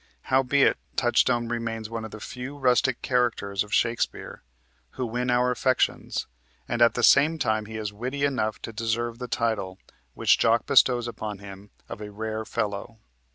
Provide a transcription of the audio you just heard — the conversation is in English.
Howbeit, Touchstone remains one of the few rustic characters of Shakespeare who win our affections, and at the same time he is witty enough to deserve the title which Jaques bestows upon him of a "rare fellow."